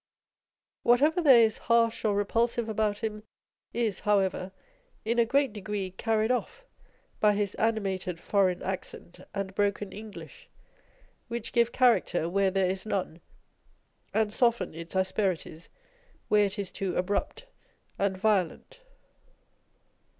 Whatever there is harsh or repulsive about him is, however, in a great degree carried off by his animated foreign accent and broken English, which give character where there is none, and soften its asperities where it is too abrupt and violent.